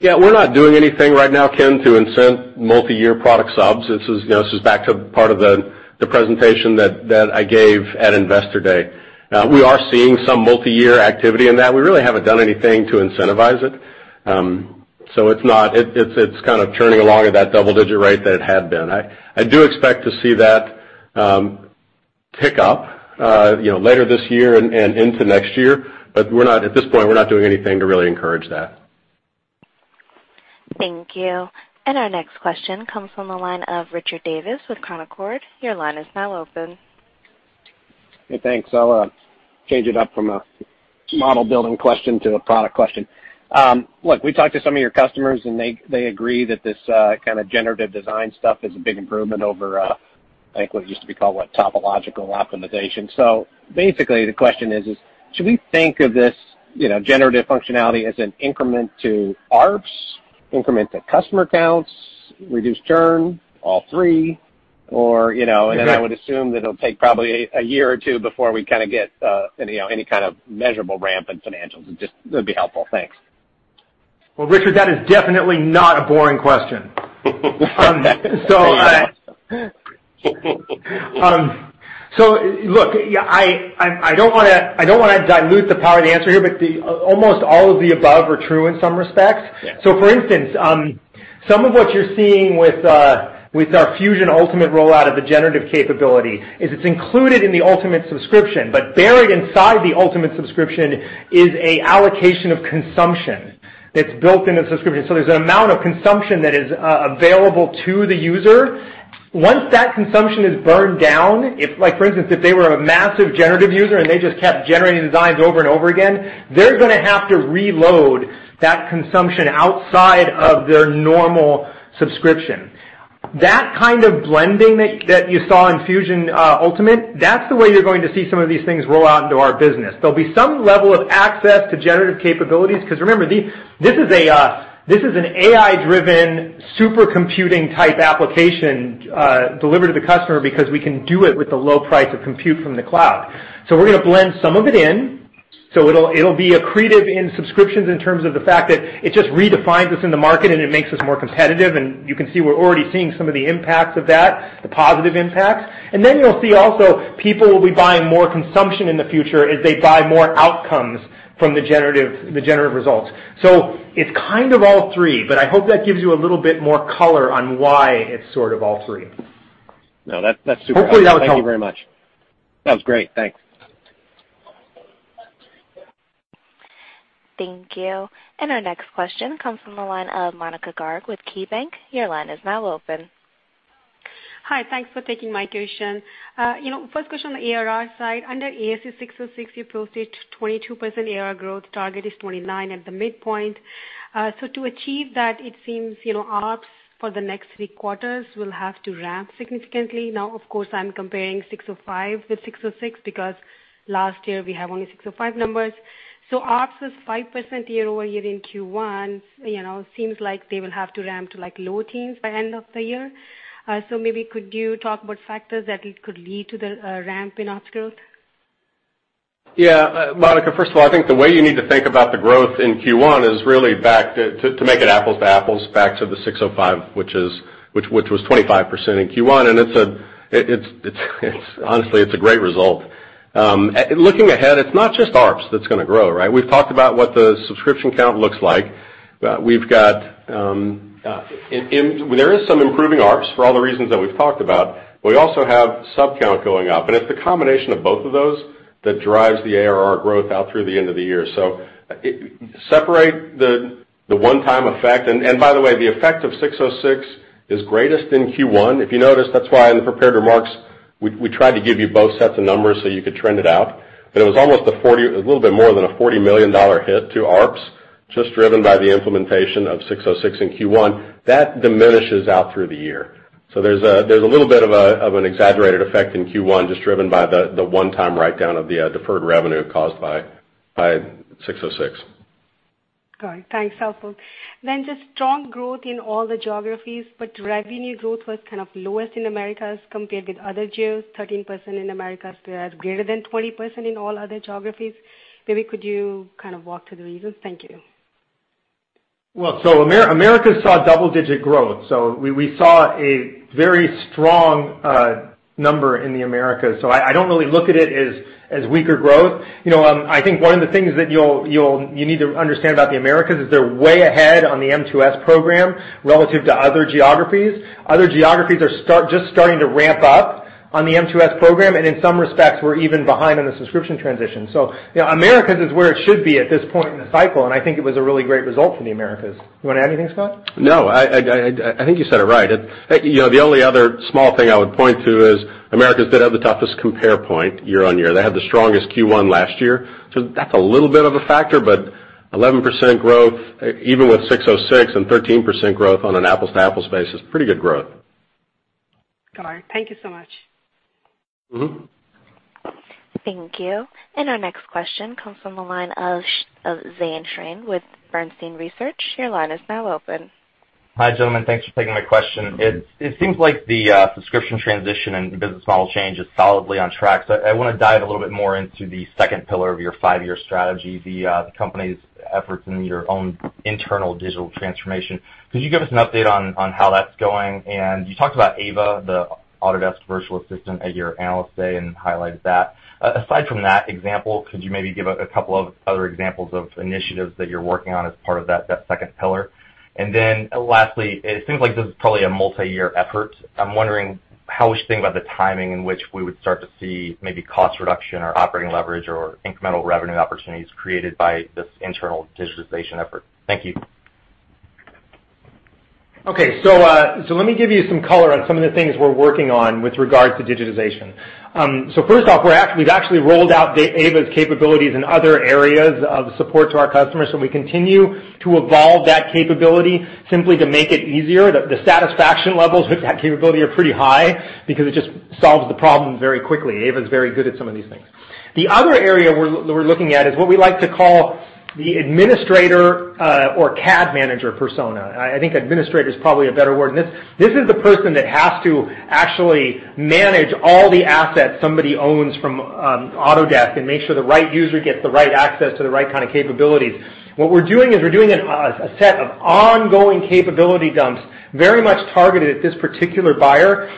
Yeah, we're not doing anything right now, Ken, to incent multi-year product subs. This is back to part of the presentation that I gave at Investor Day. We are seeing some multi-year activity in that. We really haven't done anything to incentivize it. It's kind of churning along at that double-digit rate that it had been. I do expect to see that pick up later this year and into next year. At this point, we're not doing anything to really encourage that. Thank you. Our next question comes from the line of Richard Davis with Canaccord. Your line is now open. Hey, thanks. I'll change it up from a model-building question to a product question. Look, we talked to some of your customers, and they agree that this kind of generative design stuff is a big improvement over, I think, what used to be called topological optimization. Basically, the question is, should we think of this generative functionality as an increment to ARPS? Increment the customer counts, reduce churn, all three? Then I would assume that it'll take probably a year or two before we get any kind of measurable ramp in financials. It would be helpful. Thanks. Well, Richard, that is definitely not a boring question. Look, I don't want to dilute the power of the answer here, but almost all of the above are true in some respects. Yeah. For instance, some of what you're seeing with our Fusion Ultimate rollout of the generative capability is it's included in the Ultimate subscription. Buried inside the Ultimate subscription is an allocation of consumption that's built into the subscription. There's an amount of consumption that is available to the user. Once that consumption is burned down, for instance, if they were a massive generative user and they just kept generating designs over and over again, they're going to have to reload that consumption outside of their normal subscription. That kind of blending that you saw in Fusion Ultimate, that's the way you're going to see some of these things roll out into our business. There'll be some level of access to generative capabilities, because remember, this is an AI-driven super-computing type application delivered to the customer because we can do it with the low price of compute from the cloud. We're going to blend some of it in. It'll be accretive in subscriptions in terms of the fact that it just redefines us in the market and it makes us more competitive, and you can see we're already seeing some of the impacts of that, the positive impacts. Then you'll see also, people will be buying more consumption in the future as they buy more outcomes from the generative results. It's kind of all three, I hope that gives you a little bit more color on why it's sort of all three. No, that's super helpful. Hopefully that was helpful. Thank you very much. That was great. Thanks. Thank you. Our next question comes from the line of Monika Garg with KeyBanc. Your line is now open. Hi. Thanks for taking my question. First question on the ARR side. Under ASC 606, you posted 22% ARR growth. Target is 29% at the midpoint. To achieve that, it seems ARPS, for the next three quarters, will have to ramp significantly. Of course, I'm comparing 605 with 606 because last year we have only 605 numbers. ARPS was 5% year-over-year in Q1. Seems like they will have to ramp to low teens by end of the year. Maybe could you talk about factors that could lead to the ramp in ARPS growth? Yeah. Monika, first of all, I think the way you need to think about the growth in Q1 is really, to make it apples to apples, back to the 605, which was 25% in Q1, honestly, it's a great result. Looking ahead, it's not just ARPS that's going to grow, right? We've talked about what the subscription count looks like. There is some improving ARPS for all the reasons that we've talked about. We also have sub count going up, it's the combination of both of those that drives the ARR growth out through the end of the year. Separate the one-time effect. By the way, the effect of 606 is greatest in Q1. If you notice, that's why in the prepared remarks, we tried to give you both sets of numbers so you could trend it out. It was a little bit more than a $40 million hit to ARPS, just driven by the implementation of ASC 606 in Q1. That diminishes out through the year. There's a little bit of an exaggerated effect in Q1, just driven by the one-time writedown of the deferred revenue caused by ASC 606. Got it. Thanks. Helpful. Just strong growth in all the geographies, but revenue growth was kind of lowest in Americas compared with other geos, 13% in Americas compared greater than 20% in all other geographies. Maybe could you walk through the reasons? Thank you. Well, Americas saw double-digit growth. We saw a very strong number in the Americas. I don't really look at it as weaker growth. I think one of the things that you need to understand about the Americas is they're way ahead on the M2S program relative to other geographies. Other geographies are just starting to ramp up on the M2S program, and in some respects, we're even behind on the subscription transition. Americas is where it should be at this point in the cycle, and I think it was a really great result for the Americas. You want to add anything, Scott? No, I think you said it right. The only other small thing I would point to is Americas did have the toughest compare point year-on-year. They had the strongest Q1 last year, that's a little bit of a factor, but 11% growth, even with ASC 606 and 13% growth on an apples to apples basis, pretty good growth. Got it. Thank you so much. Thank you. Our next question comes from the line of Zane Chrane with Bernstein Research. Your line is now open. Hi, gentlemen. Thanks for taking my question. It seems like the subscription transition and the business model change is solidly on track. I want to dive a little bit more into the second pillar of your five-year strategy, the company's efforts in your own internal digital transformation. Could you give us an update on how that's going? You talked about AVA, the Autodesk Virtual Assistant, at your Analyst Day and highlighted that. Aside from that example, could you maybe give a couple of other examples of initiatives that you're working on as part of that second pillar? Lastly, it seems like this is probably a multi-year effort. I'm wondering how we should think about the timing in which we would start to see maybe cost reduction or operating leverage or incremental revenue opportunities created by this internal digitization effort. Thank you. Okay, let me give you some color on some of the things we're working on with regard to digitization. First off, we've actually rolled out AVA's capabilities in other areas of support to our customers, we continue to evolve that capability simply to make it easier. The satisfaction levels with that capability are pretty high because it just solves the problem very quickly. AVA's very good at some of these things. The other area we're looking at is what we like to call the administrator, or CAD manager persona. I think administrator is probably a better word. This is the person that has to actually manage all the assets somebody owns from Autodesk and make sure the right user gets the right access to the right kind of capabilities. What we're doing is we're doing a set of ongoing capability dumps very much targeted at this particular buyer.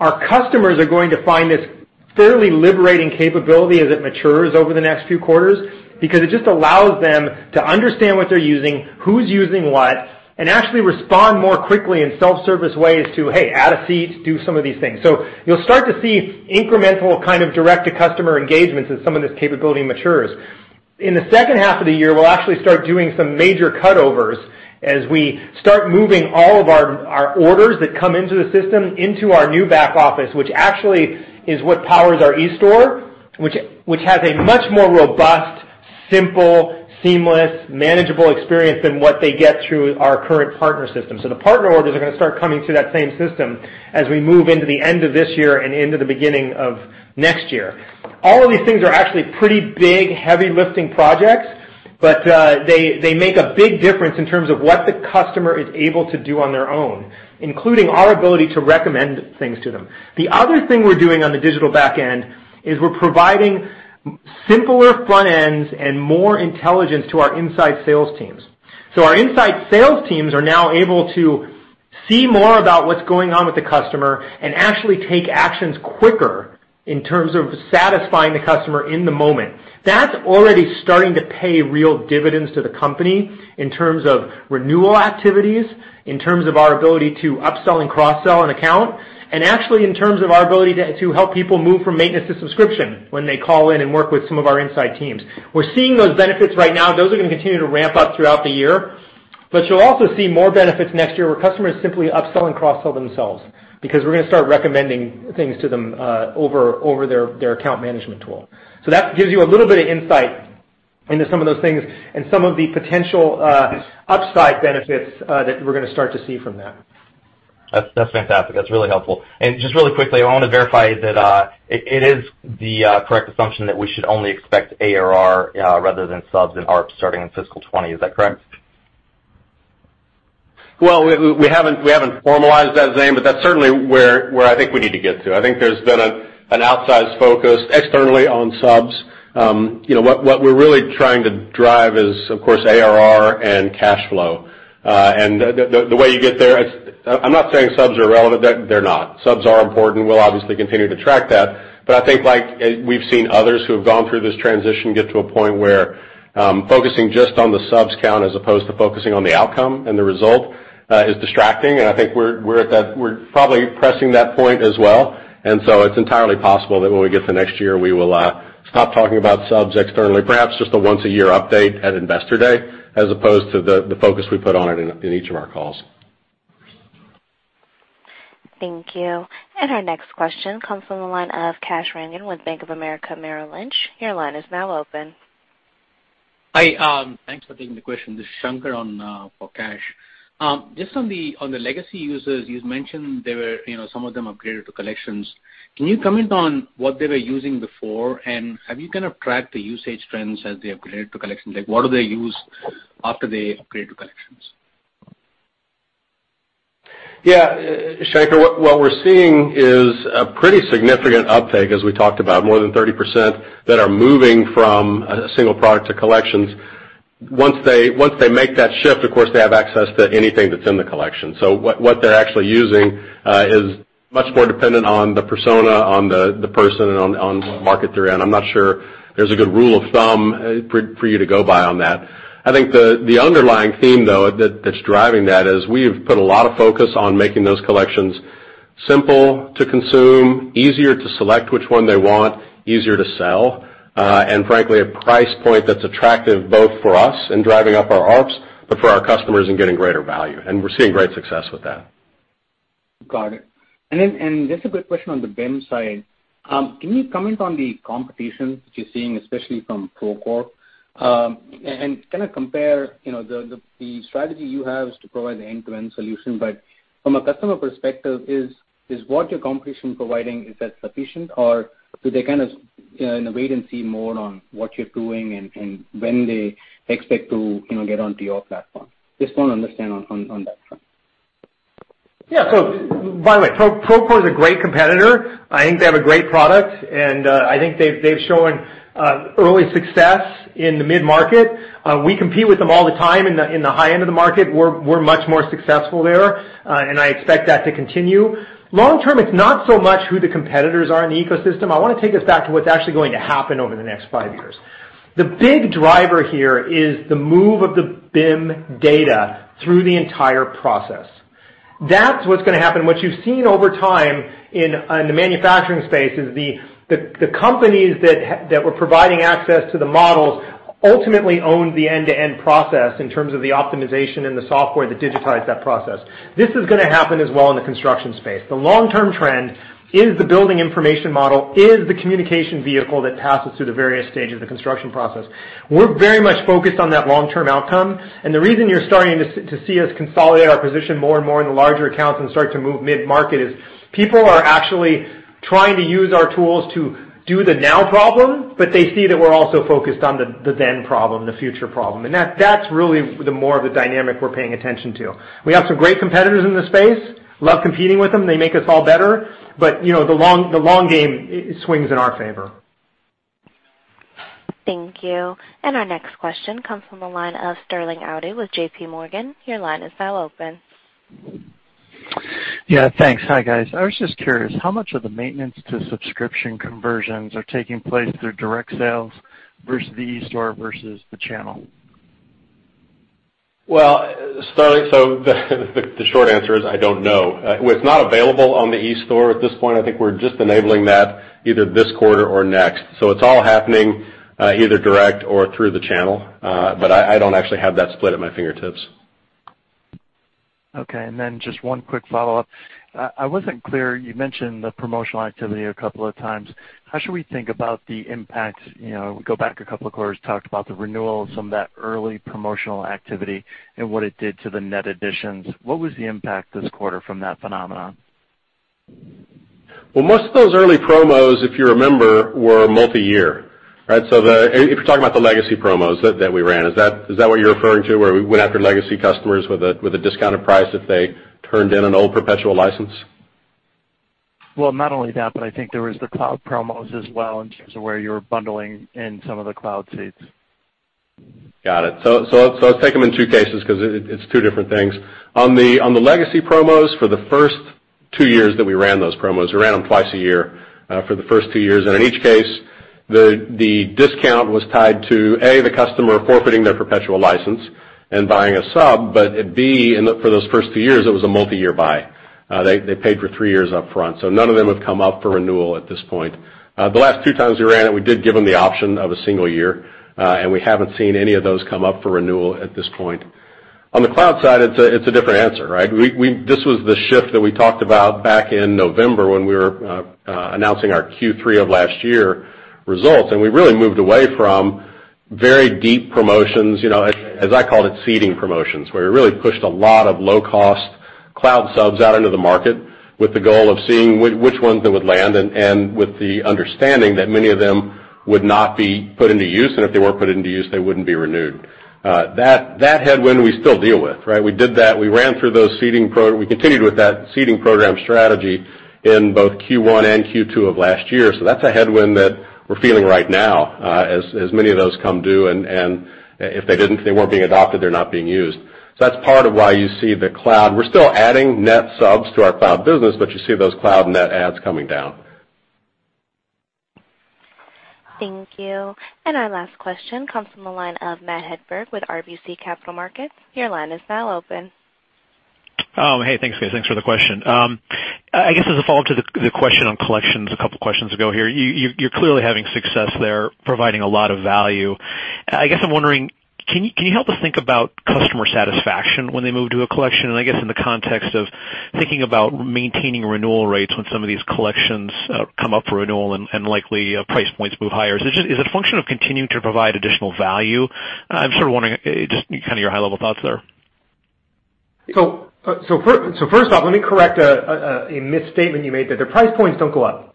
Our customers are going to find this fairly liberating capability as it matures over the next few quarters, because it just allows them to understand what they're using, who's using what, and actually respond more quickly in self-service ways to, hey, add a seat, do some of these things. You'll start to see incremental kind of direct-to-customer engagements as some of this capability matures. In the second half of the year, we'll actually start doing some major cutovers as we start moving all of our orders that come into the system into our new back office, which actually is what powers our e-store, which has a much more robust, simple, seamless, manageable experience than what they get through our current partner system. The partner orders are going to start coming through that same system as we move into the end of this year and into the beginning of next year. All of these things are actually pretty big, heavy-lifting projects, but they make a big difference in terms of what the customer is able to do on their own, including our ability to recommend things to them. The other thing we're doing on the digital back end is we're providing simpler front ends and more intelligence to our inside sales teams. Our inside sales teams are now able to see more about what's going on with the customer and actually take actions quicker in terms of satisfying the customer in the moment. That's already starting to pay real dividends to the company in terms of renewal activities, in terms of our ability to upsell and cross-sell an account, and actually in terms of our ability to help people move from maintenance to subscription when they call in and work with some of our inside teams. We're seeing those benefits right now. Those are going to continue to ramp up throughout the year. You'll also see more benefits next year where customers simply upsell and cross-sell themselves, because we're going to start recommending things to them, over their account management tool. That gives you a little bit of insight into some of those things and some of the potential upside benefits that we're going to start to see from them. That's fantastic. That's really helpful. Just really quickly, I want to verify that, it is the correct assumption that we should only expect ARR rather than subs and ARPS starting in fiscal 2020. Is that correct? Well, we haven't formalized that, Zane, but that's certainly where I think we need to get to. I think there's been an outsized focus externally on subs. What we're really trying to drive is, of course, ARR and cash flow. The way you get there, I'm not saying subs are irrelevant. They're not. Subs are important. We'll obviously continue to track that. I think like we've seen others who have gone through this transition get to a point where focusing just on the subs count as opposed to focusing on the outcome and the result is distracting, and I think we're probably pressing that point as well. It's entirely possible that when we get to next year, we will stop talking about subs externally. Perhaps just a once-a-year update at Investor Day as opposed to the focus we put on it in each of our calls. Thank you. Our next question comes from the line of Kash Rangan with Bank of America, Merrill Lynch. Your line is now open. Hi, thanks for taking the question. This is Shankar for Kash. Just on the legacy users, you'd mentioned some of them upgraded to Collections. Can you comment on what they were using before, and have you kind of tracked the usage trends as they upgraded to Collections? Like, what do they use after they upgrade to Collections? Yeah, Shankar, what we're seeing is a pretty significant uptake, as we talked about, more than 30% that are moving from a single product to Collections. Once they make that shift, of course, they have access to anything that's in the Collection. What they're actually using is much more dependent on the persona, on the person, and on what market they're in. I'm not sure there's a good rule of thumb for you to go by on that. I think the underlying theme, though, that's driving that is we have put a lot of focus on making those Collections simple to consume, easier to select which one they want, easier to sell, and frankly, a price point that's attractive both for us in driving up our ARPS, but for our customers in getting greater value. We're seeing great success with that. Got it. Just a quick question on the BIM side. Can you comment on the competition which you're seeing, especially from Procore? Kind of compare the strategy you have is to provide the end-to-end solution, but from a customer perspective, is what your competition providing, is that sufficient, or do they kind of in a wait-and-see mode on what you're doing and when they expect to get onto your platform? Just want to understand on that front. Yeah. By the way, Procore is a great competitor. I think they have a great product, and I think they've shown early success in the mid-market. We compete with them all the time in the high end of the market. We're much more successful there. I expect that to continue. Long-term, it's not so much who the competitors are in the ecosystem. I want to take us back to what's actually going to happen over the next five years. The big driver here is the move of the BIM data through the entire process. That's what's going to happen. What you've seen over time in the manufacturing space is the companies that were providing access to the models ultimately owned the end-to-end process in terms of the optimization and the software that digitized that process. This is going to happen as well in the construction space. The long-term trend is the building information model, is the communication vehicle that passes through the various stages of the construction process. We're very much focused on that long-term outcome, and the reason you're starting to see us consolidate our position more and more in the larger accounts and start to move mid-market is people are trying to use our tools to do the now problem, but they see that we're also focused on the then problem, the future problem. That's really the more of the dynamic we're paying attention to. We have some great competitors in this space. Love competing with them. They make us all better. The long game swings in our favor. Thank you. Our next question comes from the line of Sterling Auty with JPMorgan. Your line is now open. Yeah, thanks. Hi, guys. I was just curious, how much of the maintenance to subscription conversions are taking place through direct sales versus the e-store versus the channel? Well, Sterling, the short answer is, I don't know. Well, it's not available on the e-store at this point. I think we're just enabling that either this quarter or next. It's all happening, either direct or through the channel. I don't actually have that split at my fingertips. Okay, just one quick follow-up. I wasn't clear, you mentioned the promotional activity a couple of times. How should we think about the impact? We go back a couple of quarters, talked about the renewal of some of that early promotional activity and what it did to the net additions. What was the impact this quarter from that phenomenon? Well, most of those early promos, if you remember, were multi-year. Right? If you're talking about the legacy promos that we ran, is that what you're referring to, where we went after legacy customers with a discounted price if they turned in an old perpetual license? not only that, but I think there was the cloud promos as well in terms of where you were bundling in some of the cloud suites. Got it. I'll take them in two cases because it's two different things. On the legacy promos, for the first two years that we ran those promos, we ran them twice a year for the first two years. In each case, the discount was tied to, A, the customer forfeiting their perpetual license and buying a sub. At B, for those first two years, it was a multi-year buy. They paid for three years up front. None of them have come up for renewal at this point. The last two times we ran it, we did give them the option of a single year, and we haven't seen any of those come up for renewal at this point. On the cloud side, it's a different answer, right? This was the shift that we talked about back in November when we were announcing our Q3 of last year results, and we really moved away from very deep promotions, as I called it, seeding promotions, where we really pushed a lot of low-cost cloud subs out into the market with the goal of seeing which ones that would land, and with the understanding that many of them would not be put into use, and if they weren't put into use, they wouldn't be renewed. That headwind, we still deal with, right? We did that. We continued with that seeding program strategy in both Q1 and Q2 of last year. That's a headwind that we're feeling right now, as many of those come due, and if they weren't being adopted, they're not being used. That's part of why you see the cloud. We're still adding net subs to our cloud business, but you see those cloud net adds coming down. Thank you. Our last question comes from the line of Matthew Hedberg with RBC Capital Markets. Your line is now open. Oh, hey, thanks, guys. Thanks for the question. I guess as a follow-up to the question on collections a couple of questions ago here. You are clearly having success there, providing a lot of value. I guess I am wondering, can you help us think about customer satisfaction when they move to a collection? I guess in the context of thinking about maintaining renewal rates when some of these collections come up for renewal and likely price points move higher. Is it a function of continuing to provide additional value? I am sort of wondering just kind of your high-level thoughts there. First off, let me correct a misstatement you made there. The price points do not go up.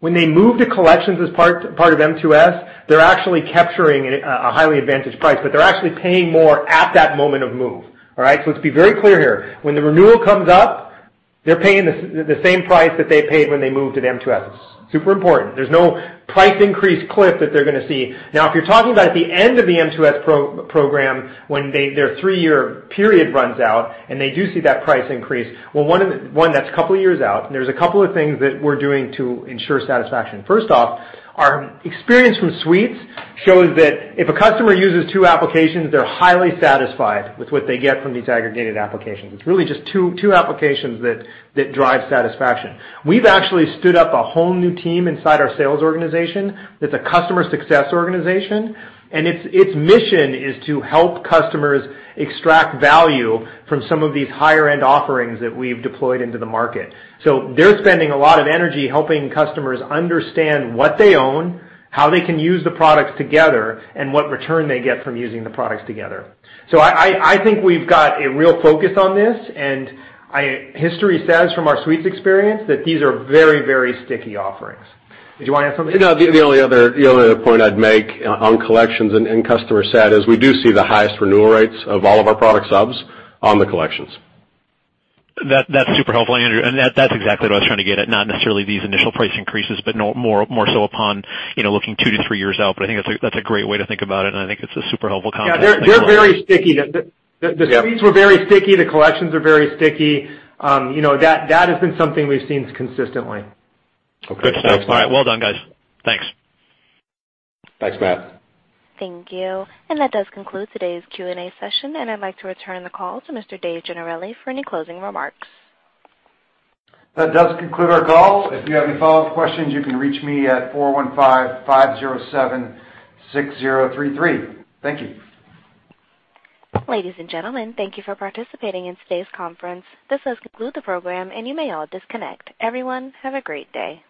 When they move to collections as part of M2S, they are actually capturing a highly advantaged price, but they are actually paying more at that moment of move. All right? Let us be very clear here. When the renewal comes up, they are paying the same price that they paid when they moved to the M2S. Super important. There is no price increase cliff that they are going to see. If you are talking about at the end of the M2S program, when their three-year period runs out and they do see that price increase, well, one, that is a couple of years out, and there is a couple of things that we are doing to ensure satisfaction. First off, our experience from Suites shows that if a customer uses two applications, they are highly satisfied with what they get from these aggregated applications. It is really just two applications that drive satisfaction. We have actually stood up a whole new team inside our sales organization that is a Customer Success organization, its mission is to help customers extract value from some of these higher-end offerings that we have deployed into the market. They are spending a lot of energy helping customers understand what they own, how they can use the products together, and what return they get from using the products together. I think we have got a real focus on this, history says from our Suites experience that these are very, very sticky offerings. Did you want to add something? No, the only other point I'd make on collections and customer sat is we do see the highest renewal rates of all of our product subs on the collections. That's super helpful, Andrew, and that's exactly what I was trying to get at, not necessarily these initial price increases, but more so upon looking two to three years out. I think that's a great way to think about it, and I think it's a super helpful comment. Yeah, they're very sticky. Yeah. The Suites were very sticky. The collections are very sticky. That has been something we've seen consistently. Okay. Good stuff. All right. Well done, guys. Thanks. Thanks, Matt. Thank you. That does conclude today's Q&A session, and I'd like to return the call to Mr. David Gennarelli for any closing remarks. That does conclude our call. If you have any follow-up questions, you can reach me at 415-507-6033. Thank you. Ladies and gentlemen, thank you for participating in today's conference. This does conclude the program, and you may all disconnect. Everyone, have a great day.